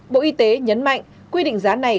bộ y tế nhấn mạnh quy định giá này